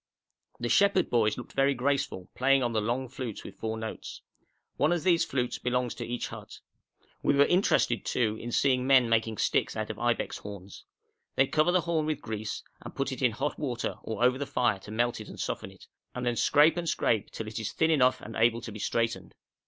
The shepherd boys looked very graceful, playing on the long flutes with four notes. One of these flutes belongs to each hut. We were interested, too, in seeing men making sticks out of ibex horns. They cover the horn with grease, and put it in hot water or over the fire to melt and soften it, and then scrape and scrape till it is thin enough and able to be straightened.